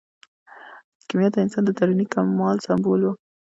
کیمیا د انسان د دروني کمال سمبول و.